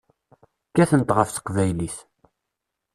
Kkatent ɣef teqbaylit.